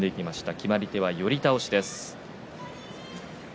決まり手は寄り倒しです。